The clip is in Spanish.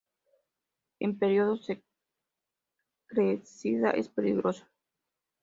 En periodos de crecida es peligroso.